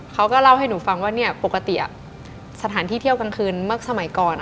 เขาก็เล่าให้หนูฟังว่าเนี่ยปกติสถานที่เที่ยวกลางคืนเมื่อสมัยก่อน